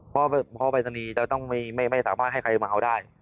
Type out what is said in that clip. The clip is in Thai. เพราะวัฒนีจะไม่สามารถให้ใครมาเอาได้